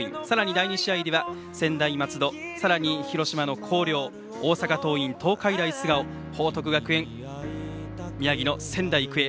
第２試合では専大松戸、さらに広島・広陵大阪桐蔭、東海大菅生報徳学園、宮城の仙台育英。